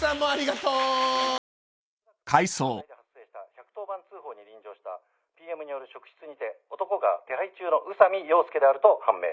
１１０番通報に臨場したＰＭによる職質にて男が手配中の宇佐美洋介であると判明。